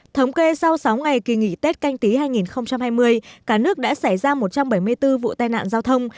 thống kê sau sáu ngày kỳ nghỉ tết canh tí hai nghìn hai mươi cả nước đã xảy ra một trăm bảy mươi bốn vụ tai nạn giao thông